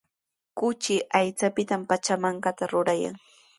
Kuchi aychapitami pachamankata ruraykaayan.